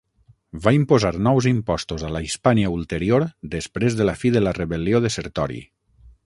Va imposar nous impostos a la Hispània Ulterior després de la fi de la rebel·lió de Sertori.